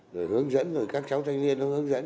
rồi hướng dẫn rồi các cháu thanh niên nó hướng dẫn